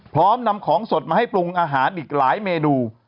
พร้อมนำของสดมาให้ปรุงอาหารอีกหลายเมนู